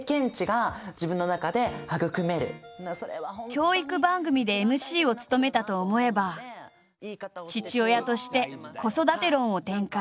教育番組でＭＣを務めたと思えば父親として子育て論を展開。